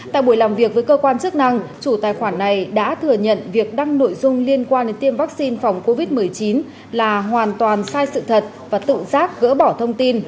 tại buổi làm việc với cơ quan chức năng chủ tài khoản này đã thừa nhận việc đăng nội dung liên quan đến tiêm vaccine phòng covid một mươi chín là hoàn toàn sai sự thật và tự giác gỡ bỏ thông tin